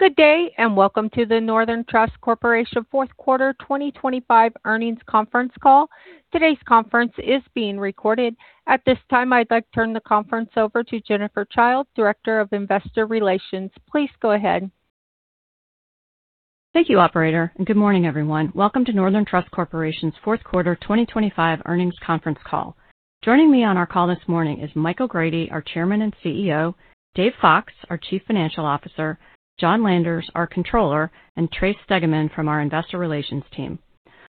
Good day and welcome to the Northern Trust Corporation Fourth Quarter 2025 Earnings Conference Call. Today's conference is being recorded. At this time, I'd like to turn the conference over to Jennifer Childe, Director of Investor Relations. Please go ahead. Thank you, Operator. Good morning, everyone. Welcome to Northern Trust Corporation's Fourth Quarter 2025 Earnings Conference Call. Joining me on our call this morning is Michael O'Grady, our Chairman and CEO, Dave Fox, our Chief Financial Officer, John Landers, our Controller, and Trace Stegemann from our Investor Relations team.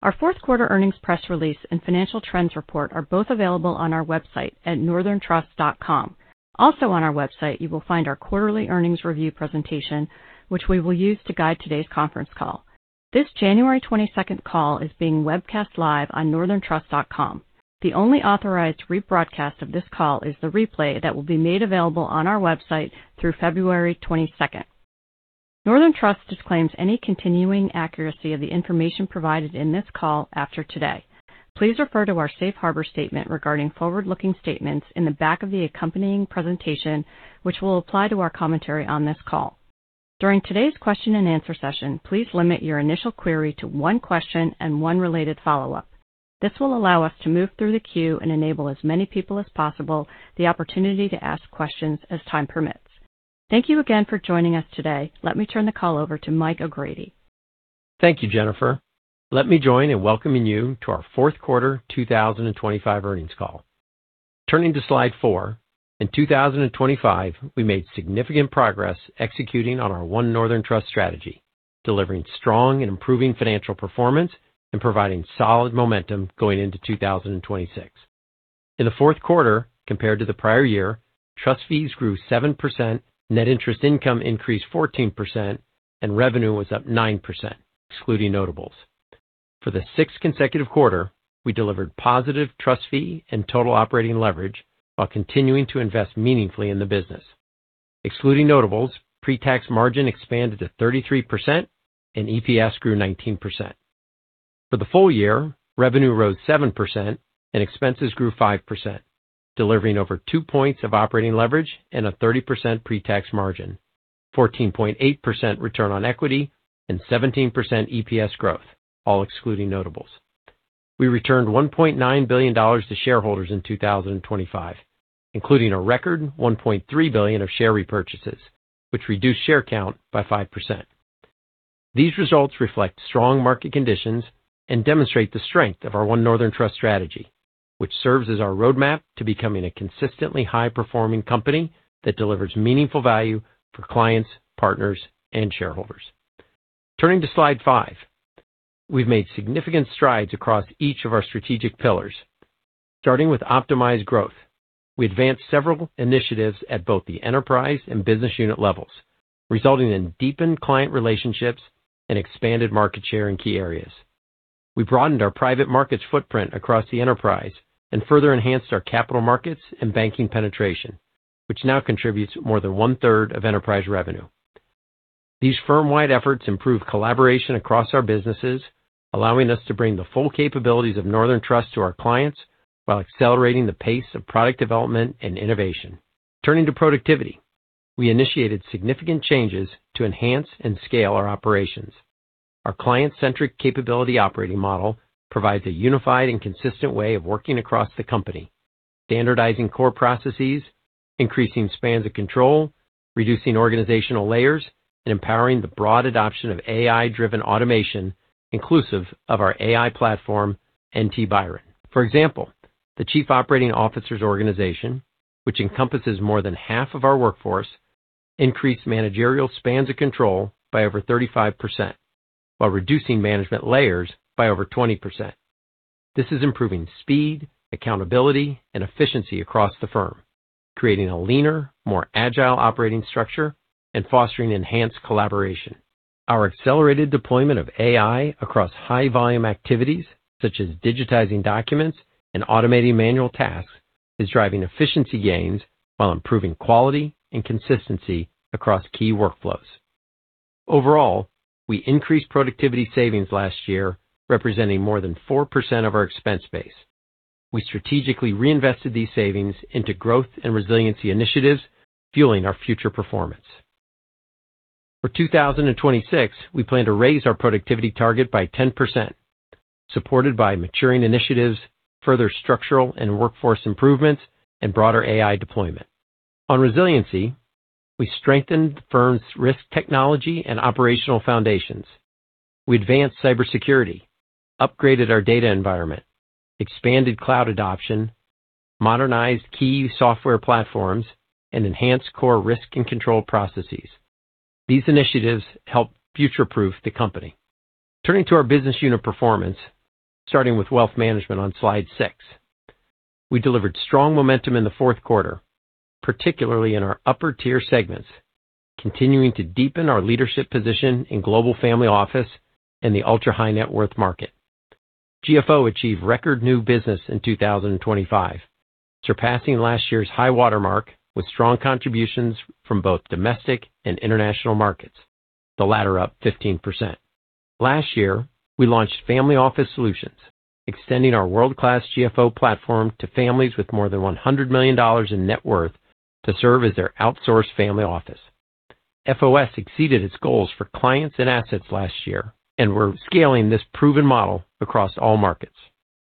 Our Fourth Quarter Earnings Press Release and Financial Trends Report are both available on our website at northerntrust.com. Also on our website, you will find our Quarterly Earnings Review presentation, which we will use to guide today's conference call. This January 22nd call is being webcast live on northerntrust.com. The only authorized rebroadcast of this call is the replay that will be made available on our website through February 22nd. Northern Trust disclaims any continuing accuracy of the information provided in this call after today. Please refer to our Safe Harbor Statement regarding forward-looking statements in the back of the accompanying presentation, which will apply to our commentary on this call. During today's question-and-answer session, please limit your initial query to one question and one related follow-up. This will allow us to move through the queue and enable as many people as possible the opportunity to ask questions as time permits. Thank you again for joining us today. Let me turn the call over to Mike O'Grady. Thank you, Jennifer. Let me join in welcoming you to our Fourth Quarter 2025 Earnings Call. Turning to slide four, in 2025, we made significant progress executing on our One Northern Trust strategy, delivering strong and improving financial performance and providing solid momentum going into 2026. In the fourth quarter, compared to the prior year, trust fees grew 7%, net interest income increased 14%, and revenue was up 9%, excluding notables. For the sixth consecutive quarter, we delivered positive trust fee and total operating leverage while continuing to invest meaningfully in the business. Excluding notables, pre-tax margin expanded to 33% and EPS grew 19%. For the full year, revenue rose 7% and expenses grew 5%, delivering over two points of operating leverage and a 30% pre-tax margin, 14.8% return on equity, and 17% EPS growth, all excluding notables. We returned $1.9 billion to shareholders in 2025, including a record $1.3 billion of share repurchases, which reduced share count by 5%. These results reflect strong market conditions and demonstrate the strength of our One Northern Trust strategy, which serves as our roadmap to becoming a consistently high-performing company that delivers meaningful value for clients, partners, and shareholders. Turning to slide five, we've made significant strides across each of our strategic pillars. Starting with optimized growth, we advanced several initiatives at both the enterprise and business unit levels, resulting in deepened client relationships and expanded market share in key areas. We broadened our private markets footprint across the enterprise and further enhanced our capital markets and banking penetration, which now contributes more than one-third of enterprise revenue. These firm-wide efforts improve collaboration across our businesses, allowing us to bring the full capabilities of Northern Trust to our clients while accelerating the pace of product development and innovation. Turning to productivity, we initiated significant changes to enhance and scale our operations. Our client-centric capability operating model provides a unified and consistent way of working across the company, standardizing core processes, increasing spans of control, reducing organizational layers, and empowering the broad adoption of AI-driven automation inclusive of our AI platform, NT Byron. For example, the Chief Operating Officer's organization, which encompasses more than half of our workforce, increased managerial spans of control by over 35% while reducing management layers by over 20%. This is improving speed, accountability, and efficiency across the firm, creating a leaner, more agile operating structure and fostering enhanced collaboration. Our accelerated deployment of AI across high-volume activities, such as digitizing documents and automating manual tasks, is driving efficiency gains while improving quality and consistency across key workflows. Overall, we increased productivity savings last year, representing more than 4% of our expense base. We strategically reinvested these savings into growth and resiliency initiatives, fueling our future performance. For 2026, we plan to raise our productivity target by 10%, supported by maturing initiatives, further structural and workforce improvements, and broader AI deployment. On resiliency, we strengthened the firm's risk technology and operational foundations. We advanced cybersecurity, upgraded our data environment, expanded cloud adoption, modernized key software platforms, and enhanced core risk and control processes. These initiatives help future-proof the company. Turning to our business unit performance, starting with Wealth Management on slide six, we delivered strong momentum in the fourth quarter, particularly in our upper-tier segments, continuing to deepen our leadership position in Global Family Office and the ultra-high net worth market. GFO achieved record new business in 2025, surpassing last year's high watermark with strong contributions from both domestic and international markets, the latter up 15%. Last year, we launched Family Office Solutions, extending our world-class GFO platform to families with more than $100 million in net worth to serve as their outsourced family office. FOS exceeded its goals for clients and assets last year and were scaling this proven model across all markets.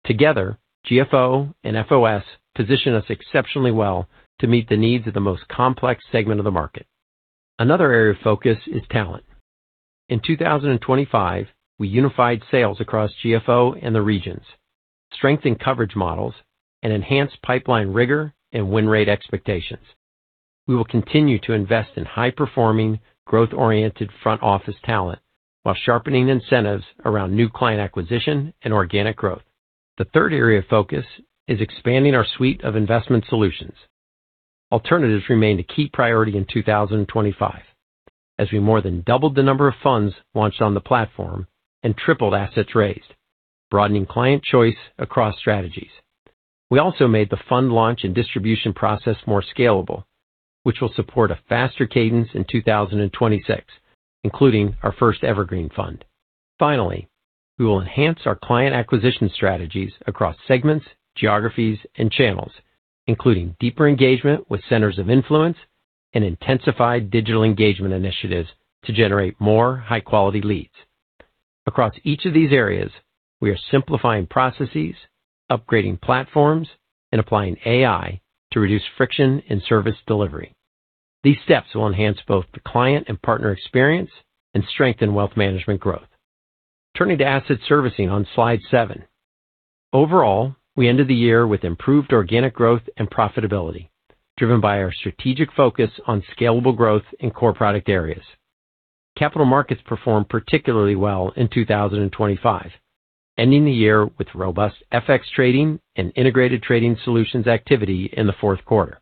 Together, GFO and FOS position us exceptionally well to meet the needs of the most complex segment of the market. Another area of focus is talent. In 2025, we unified sales across GFO and the regions, strengthened coverage models, and enhanced pipeline rigor and win rate expectations. We will continue to invest in high-performing, growth-oriented front office talent while sharpening incentives around new client acquisition and organic growth. The third area of focus is expanding our suite of investment solutions. Alternatives remain a key priority in 2025, as we more than doubled the number of funds launched on the platform and tripled assets raised, broadening client choice across strategies. We also made the fund launch and distribution process more scalable, which will support a faster cadence in 2026, including our first evergreen fund. Finally, we will enhance our client acquisition strategies across segments, geographies, and channels, including deeper engagement with centers of influence and intensified digital engagement initiatives to generate more high-quality leads. Across each of these areas, we are simplifying processes, upgrading platforms, and applying AI to reduce friction in service delivery. These steps will enhance both the client and partner experience and strengthen Wealth Management growth. Turning to Asset Servicing on slide seven, overall, we ended the year with improved organic growth and profitability, driven by our strategic focus on scalable growth in core product areas. Capital markets performed particularly well in 2025, ending the year with robust FX trading and Integrated Trading Solutions activity in the fourth quarter.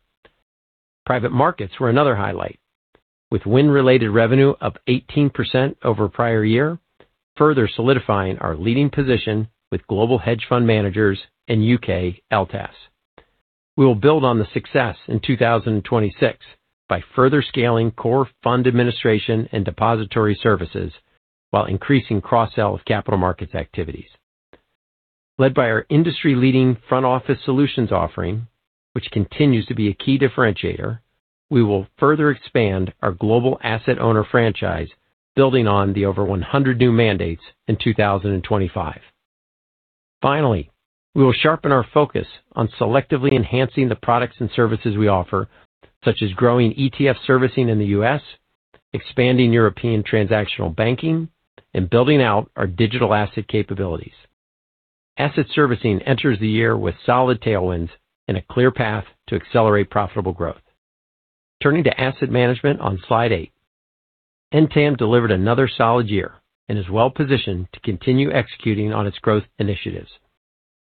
Private markets were another highlight, with win-related revenue up 18% over prior year, further solidifying our leading position with global hedge fund managers and UK LTAFs. We will build on the success in 2026 by further scaling core fund administration and depository services while increasing cross-sell of capital markets activities. Led by our industry-leading Front Office Solutions offering, which continues to be a key differentiator, we will further expand our global asset owner franchise, building on the over 100 new mandates in 2025. Finally, we will sharpen our focus on selectively enhancing the products and services we offer, such as growing ETF servicing in the U.S., expanding European transactional banking, and building out our digital asset capabilities. Asset Servicing enters the year with solid tailwinds and a clear path to accelerate profitable growth. Turning to Asset Management on slide eight, NTAM delivered another solid year and is well-positioned to continue executing on its growth initiatives.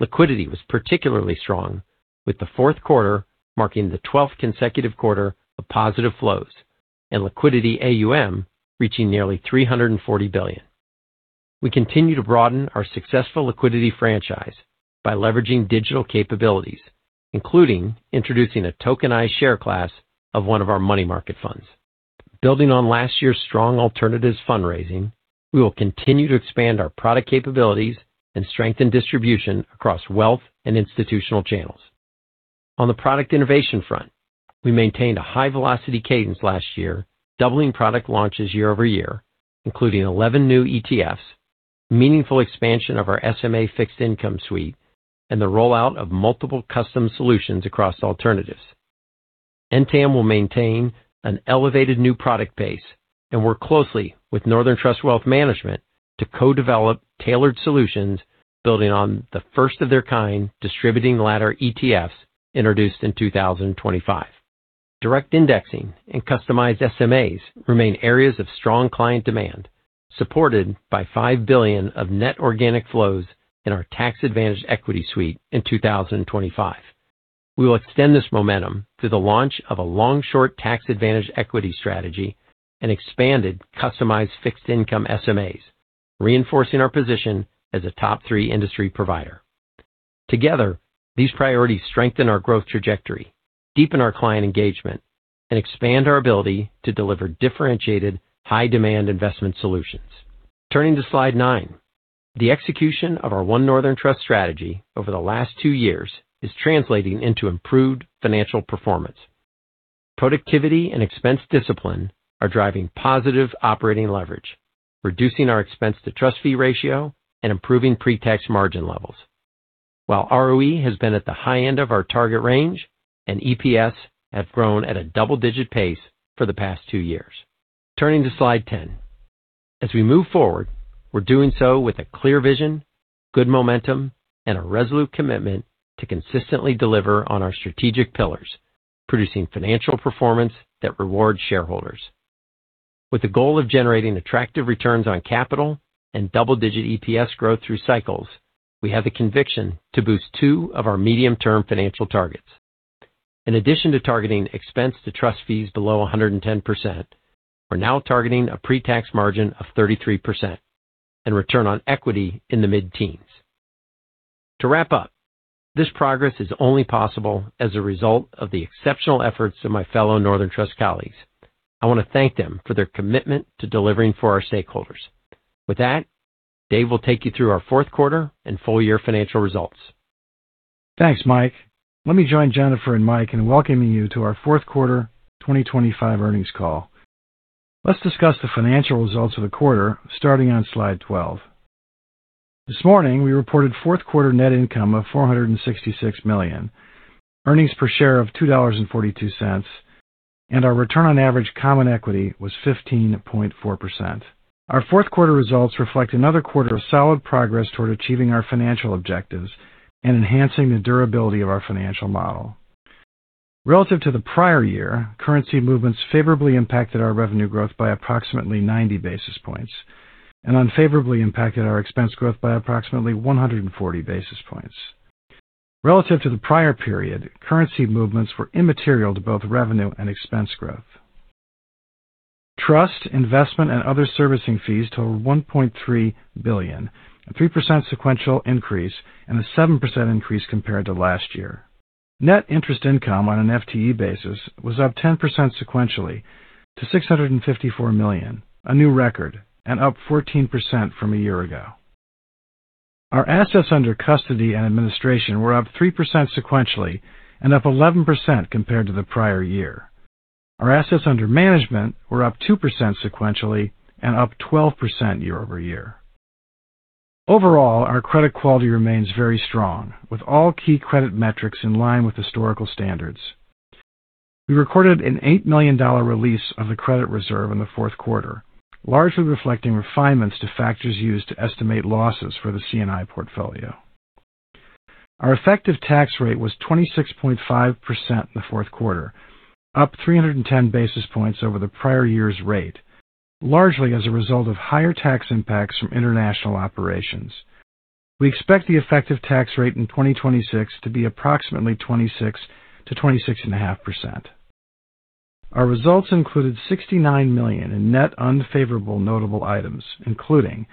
Liquidity was particularly strong, with the fourth quarter marking the 12th consecutive quarter of positive flows and liquidity AUM reaching nearly $340 billion. We continue to broaden our successful liquidity franchise by leveraging digital capabilities, including introducing a tokenized share class of one of our money market funds. Building on last year's strong alternatives fundraising, we will continue to expand our product capabilities and strengthen distribution across wealth and institutional channels. On the product innovation front, we maintained a high-velocity cadence last year, doubling product launches year over year, including 11 new ETFs, meaningful expansion of our SMA fixed income suite, and the rollout of multiple custom solutions across alternatives. NTAM will maintain an elevated new product base and work closely with Northern Trust Wealth Management to co-develop tailored solutions, building on the first-of-their-kind distributing ladder ETFs introduced in 2025. Direct indexing and customized SMAs remain areas of strong client demand, supported by $5 billion of net organic flows in our tax-advantaged equity suite in 2025. We will extend this momentum through the launch of a long-short tax-advantaged equity strategy and expanded customized fixed income SMAs, reinforcing our position as a top-three industry provider. Together, these priorities strengthen our growth trajectory, deepen our client engagement, and expand our ability to deliver differentiated, high-demand investment solutions. Turning to slide nine, the execution of our One Northern Trust strategy over the last two years is translating into improved financial performance. Productivity and expense discipline are driving positive operating leverage, reducing our expense-to-trust fee ratio and improving pre-tax margin levels, while ROE has been at the high end of our target range and EPS have grown at a double-digit pace for the past two years. Turning to slide 10, as we move forward, we're doing so with a clear vision, good momentum, and a resolute commitment to consistently deliver on our strategic pillars, producing financial performance that rewards shareholders. With the goal of generating attractive returns on capital and double-digit EPS growth through cycles, we have the conviction to boost two of our medium-term financial targets. In addition to targeting expense-to-trust fees below 110%, we're now targeting a pre-tax margin of 33% and return on equity in the mid-teens. To wrap up, this progress is only possible as a result of the exceptional efforts of my fellow Northern Trust colleagues. I want to thank them for their commitment to delivering for our stakeholders. With that, Dave will take you through our fourth quarter and full-year financial results. Thanks, Mike. Let me join Jennifer and Mike in welcoming you to our fourth quarter 2025 earnings call. Let's discuss the financial results of the quarter starting on slide 12. This morning, we reported fourth quarter net income of $466 million, earnings per share of $2.42, and our return on average common equity was 15.4%. Our fourth quarter results reflect another quarter of solid progress toward achieving our financial objectives and enhancing the durability of our financial model. Relative to the prior year, currency movements favorably impacted our revenue growth by approximately 90 basis points and unfavorably impacted our expense growth by approximately 140 basis points. Relative to the prior period, currency movements were immaterial to both revenue and expense growth. Trust, investment, and other servicing fees totaled $1.3 billion, a 3% sequential increase and a 7% increase compared to last year. Net interest income on an FTE basis was up 10% sequentially to $654 million, a new record and up 14% from a year ago. Our assets under custody and administration were up 3% sequentially and up 11% compared to the prior year. Our assets under management were up 2% sequentially and up 12% year over year. Overall, our credit quality remains very strong, with all key credit metrics in line with historical standards. We recorded an $8 million release of the credit reserve in the fourth quarter, largely reflecting refinements to factors used to estimate losses for the C&I portfolio. Our effective tax rate was 26.5% in the fourth quarter, up 310 basis points over the prior year's rate, largely as a result of higher tax impacts from international operations. We expect the effective tax rate in 2026 to be approximately 26%-26.5%. Our results included $69 million in net unfavorable notable items, including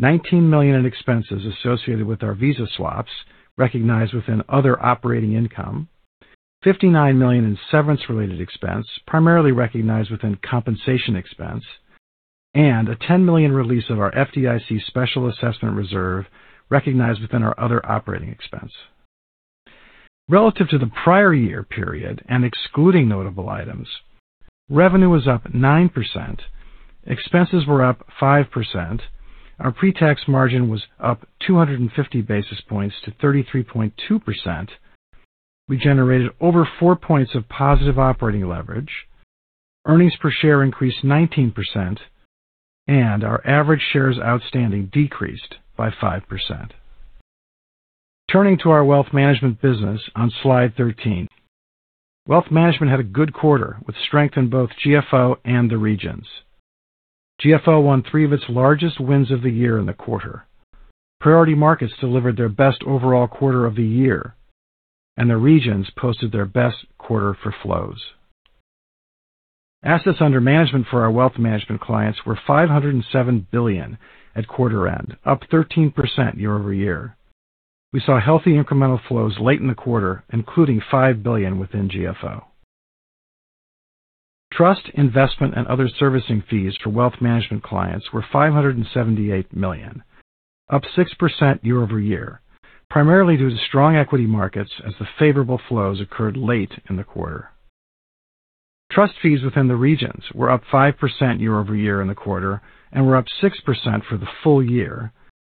$19 million in expenses associated with our Visa swaps recognized within other operating income, $59 million in severance-related expense, primarily recognized within compensation expense, and a $10 million release of our FDIC special assessment reserve recognized within our other operating expense. Relative to the prior year period and excluding notable items, revenue was up 9%, expenses were up 5%, our pre-tax margin was up 250 basis points to 33.2%, we generated over 4 points of positive operating leverage, earnings per share increased 19%, and our average shares outstanding decreased by 5%. Returning to our Wealth Management business on slide 13, Wealth Management had a good quarter with strength in both GFO and the regions. GFO won three of its largest wins of the year in the quarter. Priority Markets delivered their best overall quarter of the year, and the regions posted their best quarter for flows. Assets under management for our Wealth Management clients were $507 billion at quarter end, up 13% year over year. We saw healthy incremental flows late in the quarter, including $5 billion within GFO. Trust, investment, and other servicing fees for Wealth Management clients were $578 million, up 6% year over year, primarily due to strong equity markets as the favorable flows occurred late in the quarter. Trust fees within the regions were up 5% year over year in the quarter and were up 6% for the full year,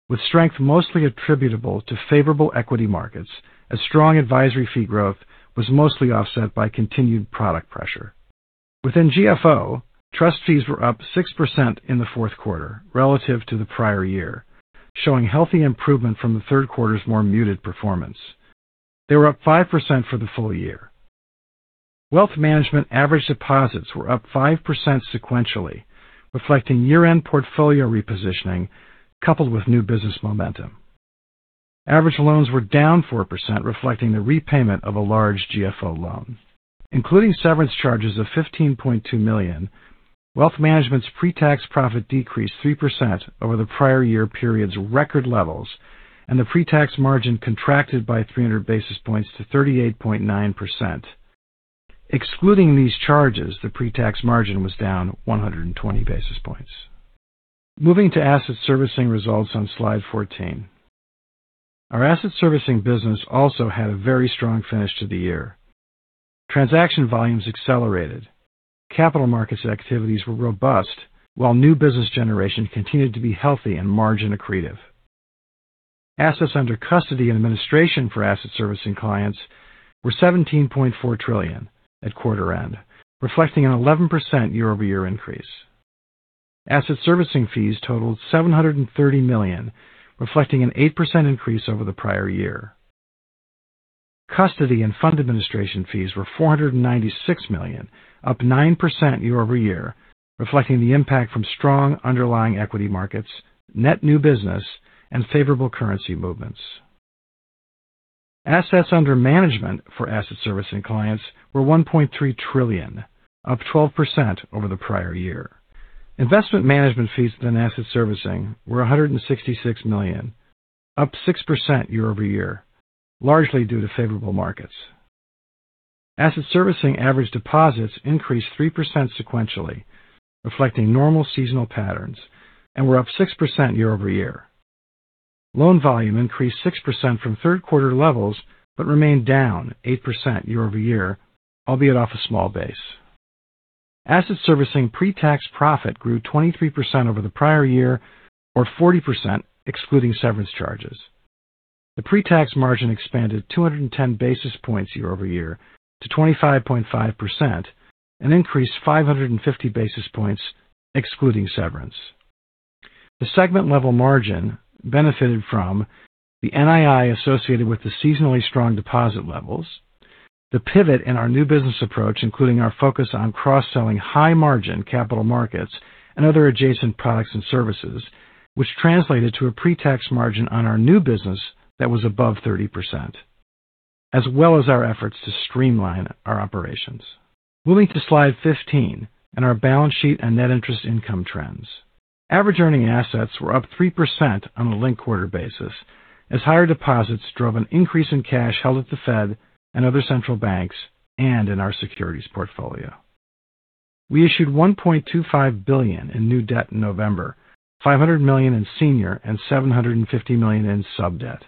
with strength mostly attributable to favorable equity markets as strong advisory fee growth was mostly offset by continued product pressure. Within GFO, trust fees were up 6% in the fourth quarter relative to the prior year, showing healthy improvement from the third quarter's more muted performance. They were up 5% for the full year. Wealth management average deposits were up 5% sequentially, reflecting year-end portfolio repositioning coupled with new business momentum. Average loans were down 4%, reflecting the repayment of a large GFO loan. Including severance charges of $15.2 million, Wealth Management's pre-tax profit decreased 3% over the prior year period's record levels, and the pre-tax margin contracted by 300 basis points to 38.9%. Excluding these charges, the pre-tax margin was down 120 basis points. Moving to Asset Servicing results on slide 14, our Asset Servicing business also had a very strong finish to the year. Transaction volumes accelerated, capital markets activities were robust, while new business generation continued to be healthy and margin accretive. Assets under custody and administration for Asset Servicing clients were $17.4 trillion at quarter end, reflecting an 11% year-over-year increase. Asset Servicing fees totaled $730 million, reflecting an 8% increase over the prior year. Custody and fund administration fees were $496 million, up 9% year-over-year, reflecting the impact from strong underlying equity markets, net new business, and favorable currency movements. Assets under management for Aasset Servicing clients were $1.3 trillion, up 12% over the prior year. Investment management fees within Asset Servicing were $166 million, up 6% year-over-year, largely due to favorable markets. Asset Servicing average deposits increased 3% sequentially, reflecting normal seasonal patterns, and were up 6% year-over-year. Loan volume increased 6% from third quarter levels but remained down 8% year-over-year, albeit off a small base. Asset Servicing pre-tax profit grew 23% over the prior year, or 40% excluding severance charges. The pre-tax margin expanded 210 basis points year-over-year to 25.5% and increased 550 basis points excluding severance. The segment-level margin benefited from the NII associated with the seasonally strong deposit levels, the pivot in our new business approach, including our focus on cross-selling high-margin capital markets and other adjacent products and services, which translated to a pre-tax margin on our new business that was above 30%, as well as our efforts to streamline our operations. Moving to slide 15 and our balance sheet and net interest income trends. Average earning assets were up 3% on a linked quarter basis as higher deposits drove an increase in cash held at the Fed and other central banks and in our securities portfolio. We issued $1.25 billion in new debt in November, $500 million in senior, and $750 million in subdebt.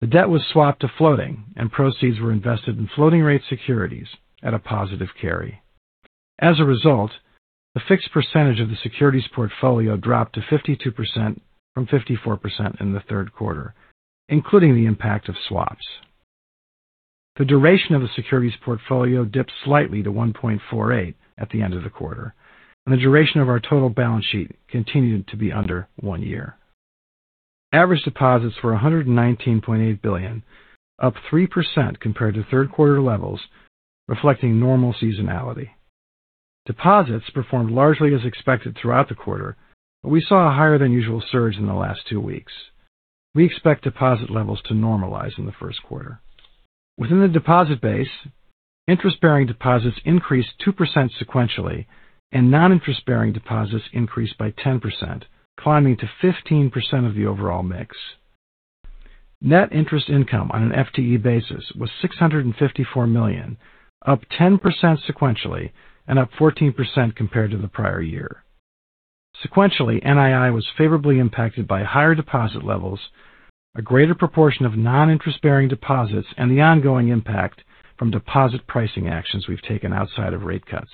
The debt was swapped to floating, and proceeds were invested in floating-rate securities at a positive carry. As a result, the fixed percentage of the securities portfolio dropped to 52% from 54% in the third quarter, including the impact of swaps. The duration of the securities portfolio dipped slightly to 1.48 at the end of the quarter, and the duration of our total balance sheet continued to be under one year. Average deposits were $119.8 billion, up 3% compared to third quarter levels, reflecting normal seasonality. Deposits performed largely as expected throughout the quarter, but we saw a higher-than-usual surge in the last two weeks. We expect deposit levels to normalize in the first quarter. Within the deposit base, interest-bearing deposits increased 2% sequentially, and non-interest-bearing deposits increased by 10%, climbing to 15% of the overall mix. Net interest income on an FTE basis was $654 million, up 10% sequentially and up 14% compared to the prior year. Sequentially, NII was favorably impacted by higher deposit levels, a greater proportion of non-interest-bearing deposits, and the ongoing impact from deposit pricing actions we've taken outside of rate cuts.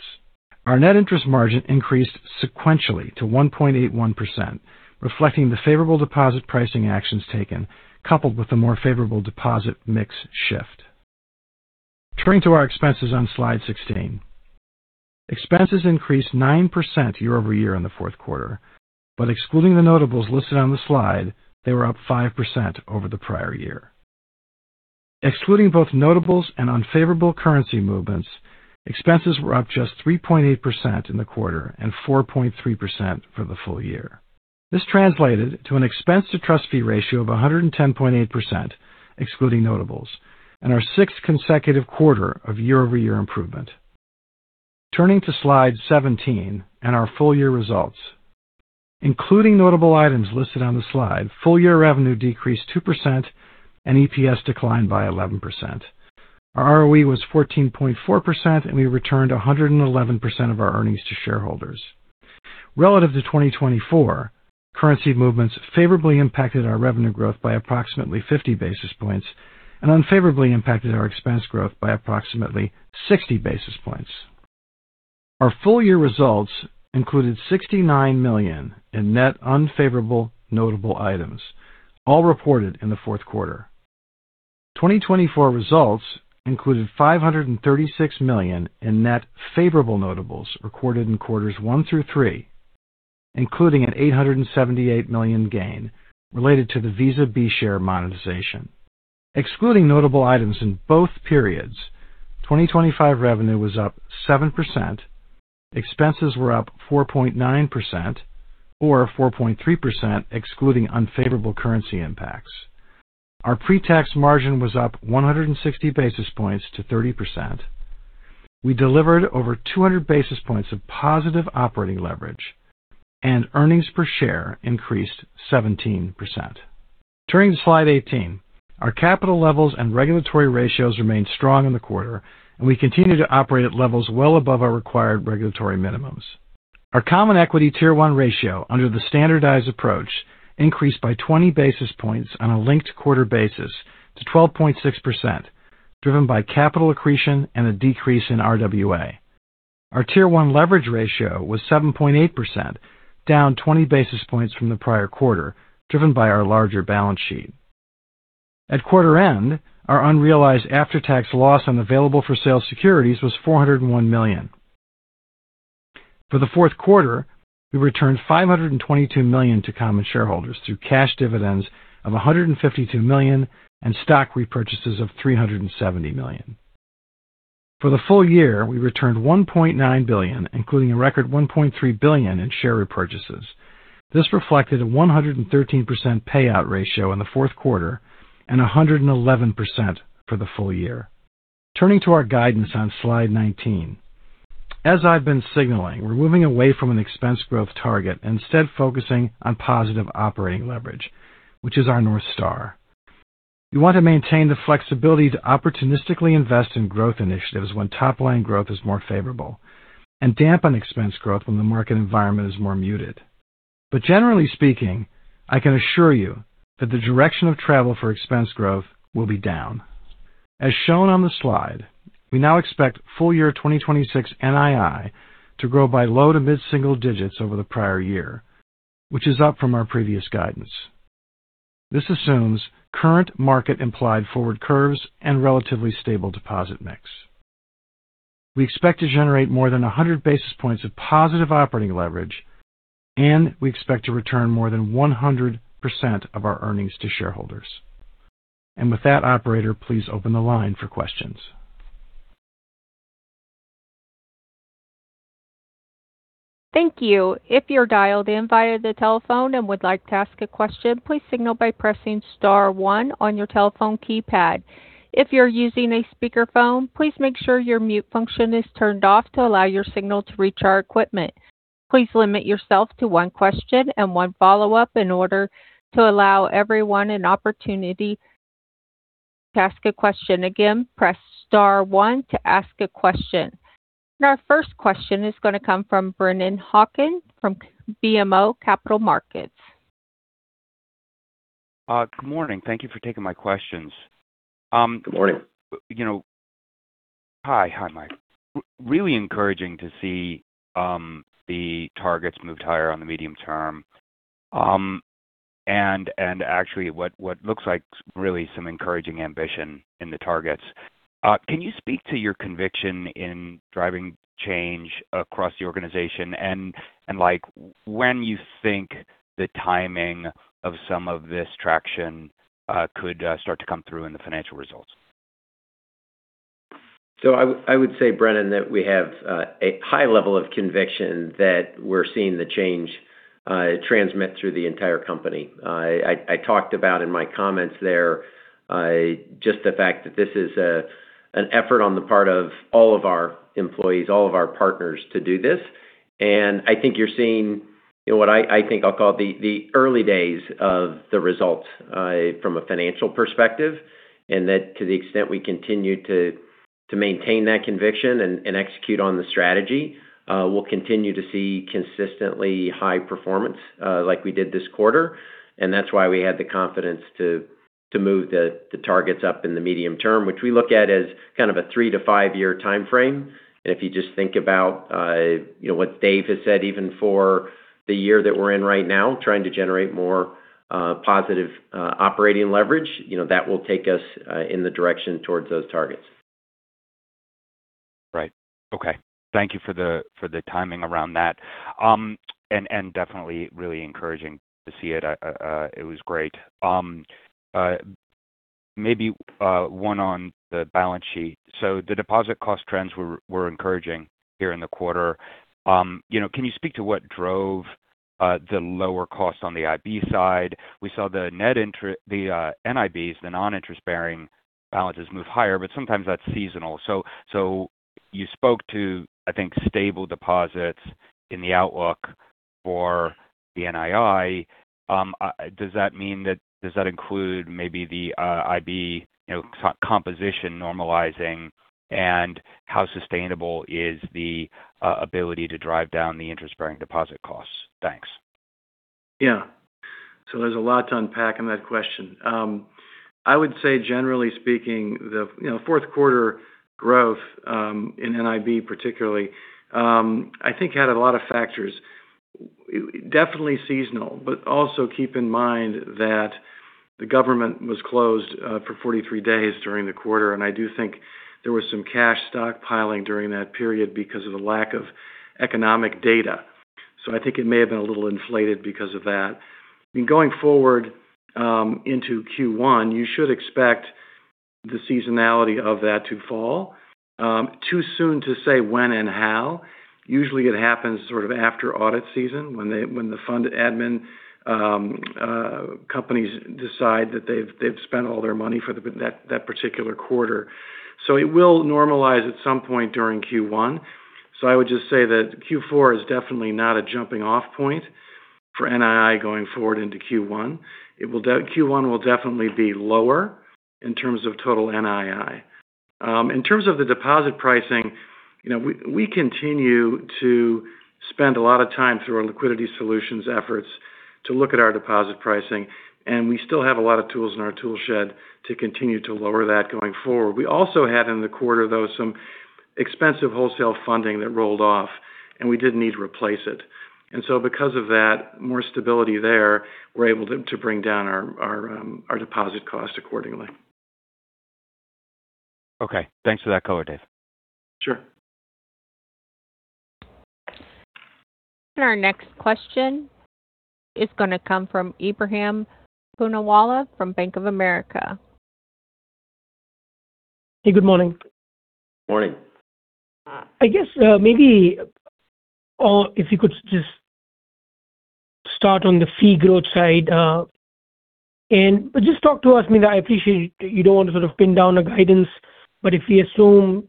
Our net interest margin increased sequentially to 1.81%, reflecting the favorable deposit pricing actions taken coupled with the more favorable deposit mix shift. Turning to our expenses on slide 16, expenses increased 9% year-over-year in the fourth quarter, but excluding the notables listed on the slide, they were up 5% over the prior year. Excluding both notables and unfavorable currency movements, expenses were up just 3.8% in the quarter and 4.3% for the full year. This translated to an expense-to-trust fee ratio of 110.8%, excluding notables, and our sixth consecutive quarter of year-over-year improvement. Turning to slide 17 and our full-year results, including notable items listed on the slide, full-year revenue decreased 2% and EPS declined by 11%. Our ROE was 14.4%, and we returned 111% of our earnings to shareholders. Relative to 2024, currency movements favorably impacted our revenue growth by approximately 50 basis points and unfavorably impacted our expense growth by approximately 60 basis points. Our full-year results included $69 million in net unfavorable notable items, all reported in the fourth quarter. 2024 results included $536 million in net favorable notables recorded in quarters one through three, including an $878 million gain related to the Visa B share monetization. Excluding notable items in both periods, 2025 revenue was up 7%, expenses were up 4.9%, or 4.3% excluding unfavorable currency impacts. Our pre-tax margin was up 160 basis points to 30%. We delivered over 200 basis points of positive operating leverage, and earnings per share increased 17%. Turning to slide 18, our capital levels and regulatory ratios remained strong in the quarter, and we continue to operate at levels well above our required regulatory minimums. Our Common Equity Tier 1 ratio under the standardized approach increased by 20 basis points on a linked quarter basis to 12.6%, driven by capital accretion and a decrease in RWA. Our Tier 1 Leverage Ratio was 7.8%, down 20 basis points from the prior quarter, driven by our larger balance sheet. At quarter end, our unrealized after-tax loss on available for sale securities was $401 million. For the fourth quarter, we returned $522 million to common shareholders through cash dividends of $152 million and stock repurchases of $370 million. For the full year, we returned $1.9 billion, including a record $1.3 billion in share repurchases. This reflected a 113% payout ratio in the fourth quarter and 111% for the full year. Turning to our guidance on slide 19, as I've been signaling, we're moving away from an expense growth target and instead focusing on positive operating leverage, which is our North Star. We want to maintain the flexibility to opportunistically invest in growth initiatives when top-line growth is more favorable and dampen expense growth when the market environment is more muted. But generally speaking, I can assure you that the direction of travel for expense growth will be down. As shown on the slide, we now expect full-year 2026 NII to grow by low to mid-single digits over the prior year, which is up from our previous guidance. This assumes current market-implied forward curves and relatively stable deposit mix. We expect to generate more than 100 basis points of positive operating leverage, and we expect to return more than 100% of our earnings to shareholders. And with that, operator, please open the line for questions. Thank you. If you're dialed in via the telephone and would like to ask a question, please signal by pressing Star 1 on your telephone keypad. If you're using a speakerphone, please make sure your mute function is turned off to allow your signal to reach our equipment. Please limit yourself to one question and one follow-up in order to allow everyone an opportunity to ask a question. Again, press Star 1 to ask a question. And our first question is going to come from Brennan Hawken from BMO Capital Markets. Good morning. Thank you for taking my questions. Good morning. Hi, hi, Mike. Really encouraging to see the targets moved higher on the medium term. And actually, what looks like really some encouraging ambition in the targets. Can you speak to your conviction in driving change across the organization and when you think the timing of some of this traction could start to come through in the financial results? So I would say, Brennan, that we have a high level of conviction that we're seeing the change transmit through the entire company. I talked about in my comments there just the fact that this is an effort on the part of all of our employees, all of our partners to do this. I think you're seeing what I think I'll call the early days of the results from a financial perspective, and that to the extent we continue to maintain that conviction and execute on the strategy, we'll continue to see consistently high performance like we did this quarter. That's why we had the confidence to move the targets up in the medium term, which we look at as kind of a three- to five-year time frame. If you just think about what Dave has said, even for the year that we're in right now, trying to generate more positive operating leverage, that will take us in the direction towards those targets. Right. Okay. Thank you for the timing around that. And definitely really encouraging to see it. It was great. Maybe one on the balance sheet. So the deposit cost trends were encouraging here in the quarter. Can you speak to what drove the lower cost on the IB side? We saw the NIBs, the non-interest-bearing balances, move higher, but sometimes that's seasonal. So you spoke to, I think, stable deposits in the outlook for the NII. Does that mean that does that include maybe the IB composition normalizing, and how sustainable is the ability to drive down the interest-bearing deposit costs? Thanks. Yeah. So there's a lot to unpack in that question. I would say, generally speaking, the fourth quarter growth in NIB, particularly, I think had a lot of factors. Definitely seasonal, but also keep in mind that the government was closed for 43 days during the quarter, and I do think there was some cash stockpiling during that period because of the lack of economic data. So I think it may have been a little inflated because of that. I mean, going forward into Q1, you should expect the seasonality of that to fall. Too soon to say when and how. Usually, it happens sort of after audit season when the fund admin companies decide that they've spent all their money for that particular quarter. So it will normalize at some point during Q1. So I would just say that Q4 is definitely not a jumping-off point for NII going forward into Q1. Q1 will definitely be lower in terms of total NII. In terms of the deposit pricing, we continue to spend a lot of time through our liquidity solutions efforts to look at our deposit pricing, and we still have a lot of tools in our toolshed to continue to lower that going forward. We also had in the quarter, though, some expensive wholesale funding that rolled off, and we didn't need to replace it. And so because of that, more stability there, we're able to bring down our deposit cost accordingly. Okay. Thanks for that cover, Dave. Sure. And our next question is going to come from Ebrahim Poonawala from Bank of America. Hey, good morning. Morning. I guess maybe if you could just start on the fee growth side and just talk to us, I appreciate you don't want to sort of pin down a guidance, but if we assume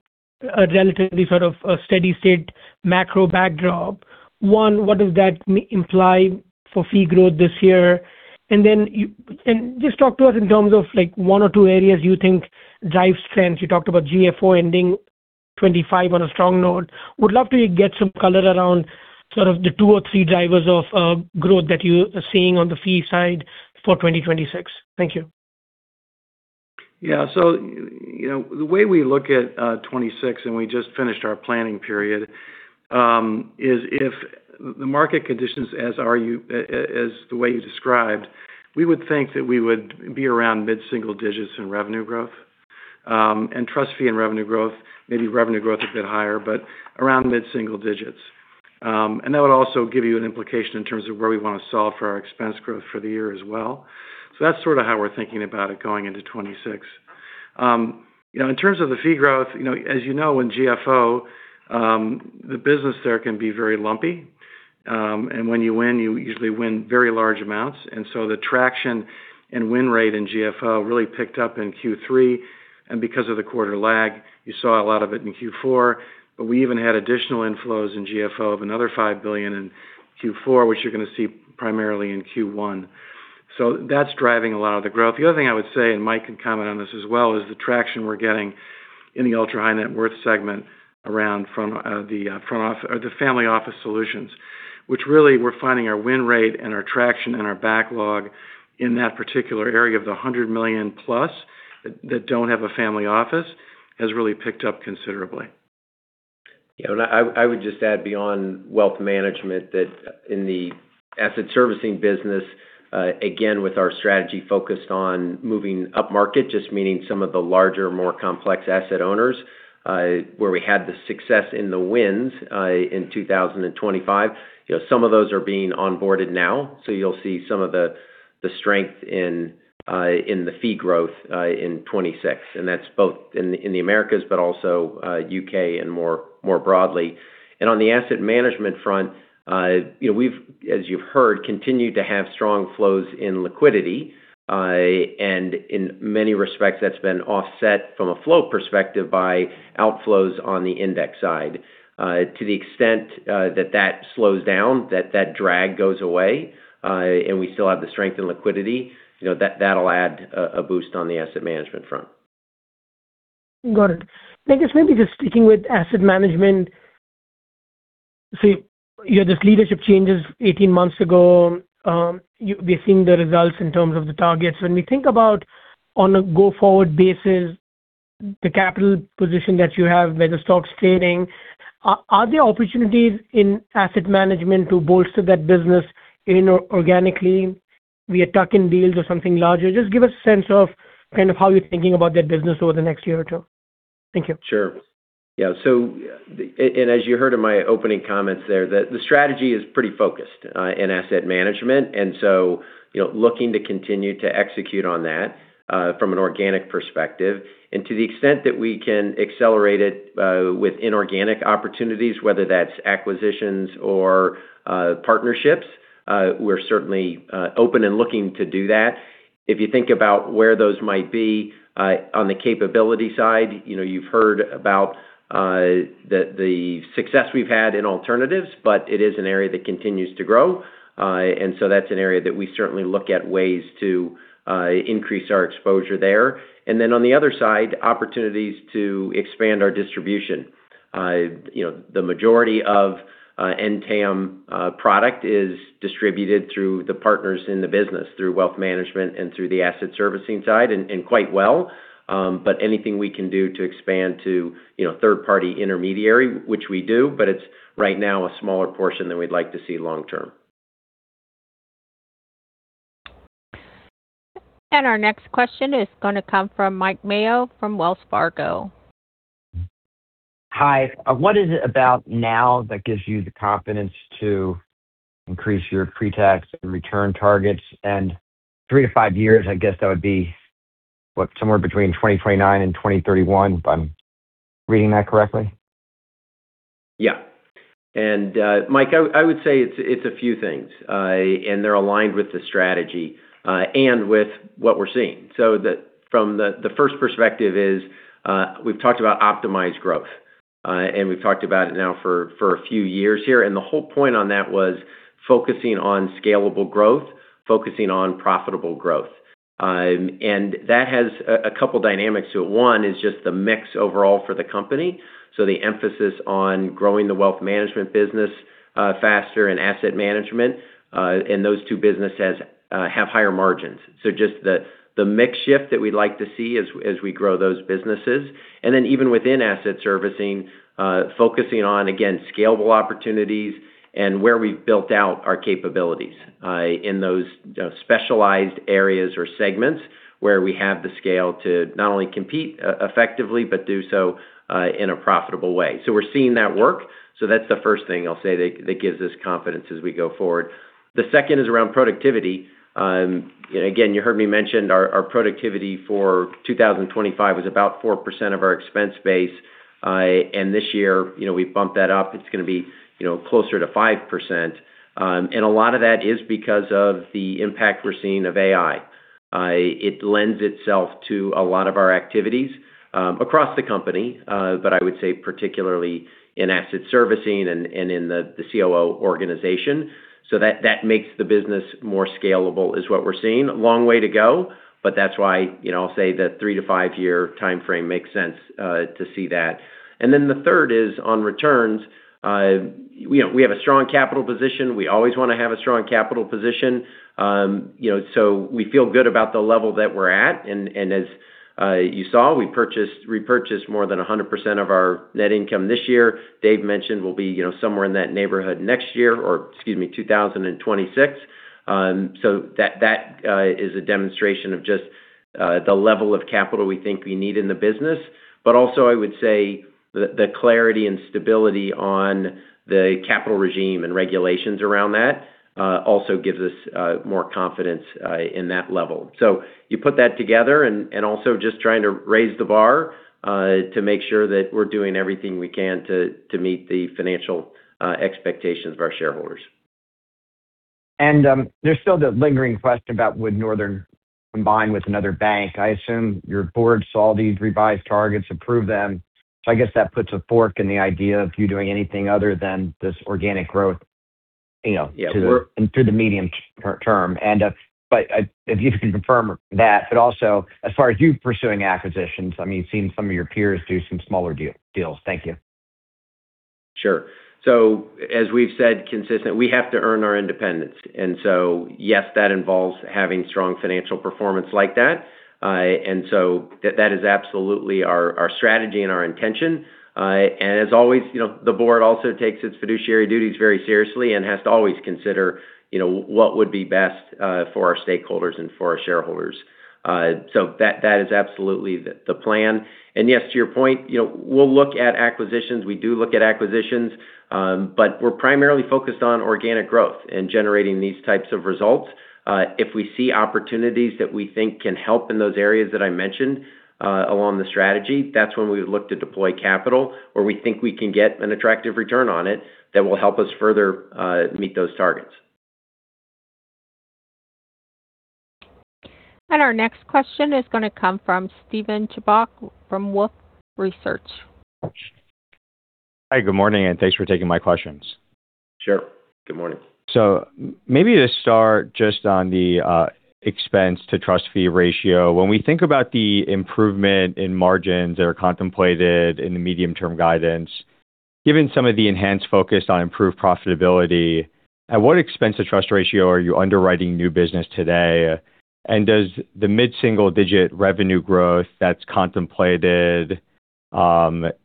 a relatively sort of steady-state macro backdrop, one, what does that imply for fee growth this year, and then just talk to us in terms of one or two areas you think drive strength. You talked about GFO ending 2025 on a strong note. Would love to get some color around sort of the two or three drivers of growth that you are seeing on the fee side for 2026. Thank you. Yeah. So the way we look at 2026, and we just finished our planning period, is if the market conditions are as the way you described, we would think that we would be around mid-single digits in revenue growth. And trust fee and revenue growth, maybe revenue growth a bit higher, but around mid-single digits. And that would also give you an implication in terms of where we want to solve for our expense growth for the year as well. So that's sort of how we're thinking about it going into 2026. In terms of the fee growth, as you know, in GFO, the business there can be very lumpy. And when you win, you usually win very large amounts. And so the traction and win rate in GFO really picked up in Q3. And because of the quarter lag, you saw a lot of it in Q4. But we even had additional inflows in GFO of another $5 billion in Q4, which you're going to see primarily in Q1. So that's driving a lot of the growth. The other thing I would say, and Mike can comment on this as well, is the traction we're getting in the ultra-high net worth segment around the family office solutions, which really we're finding our win rate and our traction and our backlog in that particular area of the 100 million plus that don't have a family office has really picked up considerably. Yeah. And I would just add beyond Wealth Management that in the Asset Servicing business, again, with our strategy focused on moving up market, just meaning some of the larger, more complex asset owners, where we had the success in the wins in 2025, some of those are being onboarded now. So you'll see some of the strength in the fee growth in 2026. And that's both in the Americas, but also U.K. and more broadly. And on the Asset Management front, we've, as you've heard, continued to have strong flows in liquidity. And in many respects, that's been offset from a flow perspective by outflows on the index side. To the extent that that slows down, that drag goes away, and we still have the strength and liquidity, that'll add a boost on the Asset Management front. Got it. I guess maybe just sticking with Asset Management, so you had this leadership changes 18 months ago. We've seen the results in terms of the targets. When we think about on a go-forward basis, the capital position that you have where the stock's trading, are there opportunities in Asset Management to bolster that business organically via tuck-in deals or something larger? Just give us a sense of kind of how you're thinking about that business over the next year or two. Thank you. Sure. Yeah. And as you heard in my opening comments there, the strategy is pretty focused in Asset Management. And so looking to continue to execute on that from an organic perspective. And to the extent that we can accelerate it with inorganic opportunities, whether that's acquisitions or partnerships, we're certainly open and looking to do that. If you think about where those might be on the capability side, you've heard about the success we've had in alternatives, but it is an area that continues to grow. And so that's an area that we certainly look at ways to increase our exposure there. And then on the other side, opportunities to expand our distribution. The majority of NTAM product is distributed through the partners in the business, through Wealth Management and through the Asset Servicing side, and quite well. But anything we can do to expand to third-party intermediary, which we do, but it's right now a smaller portion than we'd like to see long-term. And our next question is going to come from Mike Mayo from Wells Fargo. Hi. What is it about now that gives you the confidence to increase your pre-tax and return targets? And three to five years, I guess that would be somewhere between 2029 and 2031, if I'm reading that correctly. Yeah. And Mike, I would say it's a few things, and they're aligned with the strategy and with what we're seeing. So from the first perspective is we've talked about optimized growth, and we've talked about it now for a few years here. And the whole point on that was focusing on scalable growth, focusing on profitable growth. And that has a couple of dynamics to it. One is just the mix overall for the company. So the emphasis on growing the Wealth Management business faster and Asset Management, and those two businesses have higher margins. So just the mix shift that we'd like to see as we grow those businesses. And then even within Asset Servicing, focusing on, again, scalable opportunities and where we've built out our capabilities in those specialized areas or segments where we have the scale to not only compete effectively, but do so in a profitable way. So we're seeing that work. So that's the first thing I'll say that gives us confidence as we go forward. The second is around productivity. Again, you heard me mention our productivity for 2025 was about 4% of our expense base. And this year, we've bumped that up. It's going to be closer to 5%. And a lot of that is because of the impact we're seeing of AI. It lends itself to a lot of our activities across the company, but I would say particularly in Asset Servicing and in the COO organization. So that makes the business more scalable is what we're seeing. Long way to go, but that's why I'll say the three to five-year timeframe makes sense to see that. And then the third is on returns. We have a strong capital position. We always want to have a strong capital position. So we feel good about the level that we're at. And as you saw, we purchased more than 100% of our net income this year. Dave mentioned we'll be somewhere in that neighborhood next year or, excuse me, 2026. So that is a demonstration of just the level of capital we think we need in the business. But also, I would say the clarity and stability on the capital regime and regulations around that also gives us more confidence in that level. So you put that together and also just trying to raise the bar to make sure that we're doing everything we can to meet the financial expectations of our shareholders. And there's still the lingering question about would Northern combine with another bank. I assume your board saw these revised targets, approved them. So I guess that puts a fork in the idea of you doing anything other than this organic growth through the medium term. And if you can confirm that, but also as far as you pursuing acquisitions, I mean, you've seen some of your peers do some smaller deals. Thank you. Sure. So, as we've said consistently, we have to earn our independence. And so yes, that involves having strong financial performance like that. And so that is absolutely our strategy and our intention. And as always, the board also takes its fiduciary duties very seriously and has to always consider what would be best for our stakeholders and for our shareholders. So that is absolutely the plan. And yes, to your point, we'll look at acquisitions. We do look at acquisitions, but we're primarily focused on organic growth and generating these types of results. If we see opportunities that we think can help in those areas that I mentioned along the strategy, that's when we would look to deploy capital or we think we can get an attractive return on it that will help us further meet those targets. And our next question is going to come from Steven Chubak from Wolfe Research. Hi, good morning, and thanks for taking my questions. Sure. Good morning. So maybe to start just on the expense-to-trust-fee ratio, when we think about the improvement in margins that are contemplated in the medium-term guidance, given some of the enhanced focus on improved profitability, at what expense-to-trust-fee ratio are you underwriting new business today? And does the mid-single-digit revenue growth that's contemplated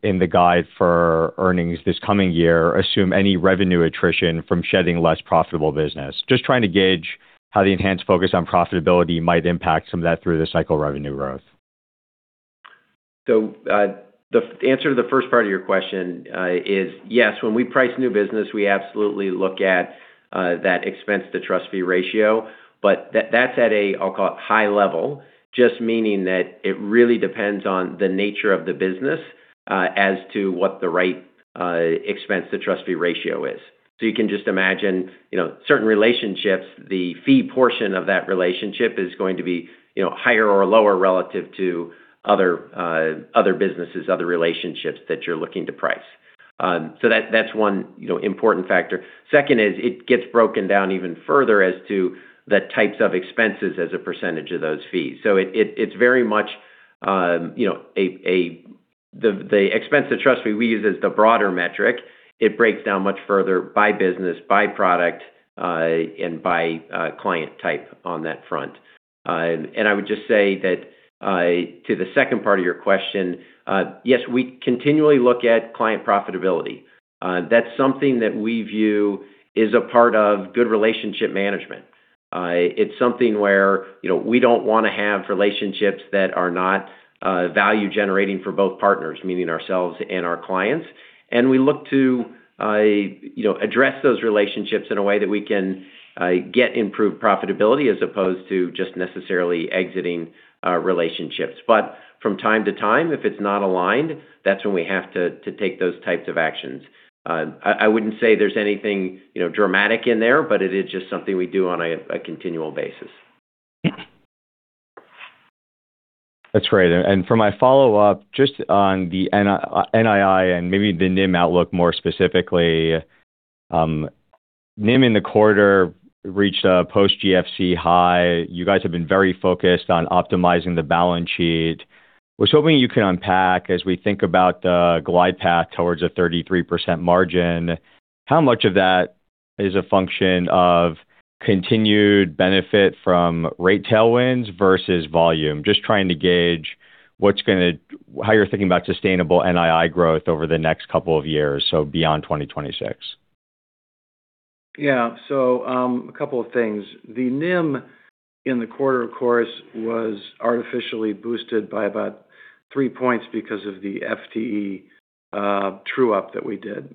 in the guide for earnings this coming year assume any revenue attrition from shedding less profitable business? Just trying to gauge how the enhanced focus on profitability might impact some of that through-the-cycle revenue growth. So the answer to the first part of your question is yes, when we price new business, we absolutely look at that expense to trust fee ratio, but that's at a, I'll call it high level, just meaning that it really depends on the nature of the business as to what the right expense to trust fee ratio is. So you can just imagine certain relationships, the fee portion of that relationship is going to be higher or lower relative to other businesses, other relationships that you're looking to price. So that's one important factor. Second is it gets broken down even further as to the types of expenses as a percentage of those fees. So it's very much the expense to trust fee we use as the broader metric. It breaks down much further by business, by product, and by client type on that front. I would just say that to the second part of your question, yes, we continually look at client profitability. That's something that we view is a part of good relationship management. It's something where we don't want to have relationships that are not value-generating for both partners, meaning ourselves and our clients. And we look to address those relationships in a way that we can get improved profitability as opposed to just necessarily exiting relationships. But from time to time, if it's not aligned, that's when we have to take those types of actions. I wouldn't say there's anything dramatic in there, but it is just something we do on a continual basis. That's great. For my follow-up, just on the NII and maybe the NIM outlook more specifically, NIM in the quarter reached a post-GFC high. You guys have been very focused on optimizing the balance sheet. I was hoping you could unpack as we think about the glide path towards a 33% margin. How much of that is a function of continued benefit from retail wins versus volume? Just trying to gauge how you're thinking about sustainable NII growth over the next couple of years, so beyond 2026. Yeah. So, a couple of things. The NIM in the quarter, of course, was artificially boosted by about three points because of the FTE true-up that we did.